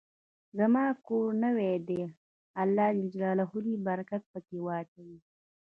زما کور نوې ده، الله ج د برکت په کي واچوی